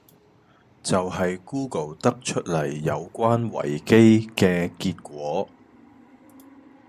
就係 Google 得出黎有關維基既結果